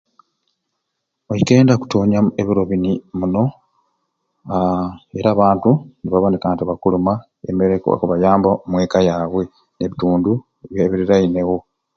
Oikendi akutoonya ebiro bini muno aa era abantu ni bakuboneka nti bakuluma emmere ekwaba okubayamba omweka yaabwe n'ebitundu ebirirainewo.